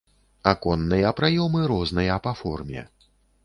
Аконныя праёмы розныя па форме.